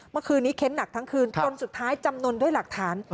เมื่อคืนนี้เค้นหนักทั้งคืนจนสุดท้ายจำนวนด้วยหลักฐาน